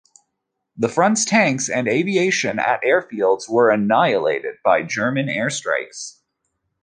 The Front's tanks and aviation at airfields were annihilated by German air strikes.